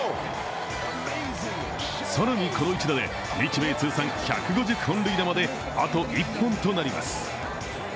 更にこの一打で日米通算１５０本塁打まであと１本となります。